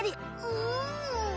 うん！